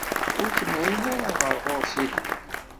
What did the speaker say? Ur temεin ara ɣer ɣur-s ihi.